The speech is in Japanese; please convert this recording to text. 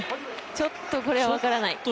ちょっとこれは分からない。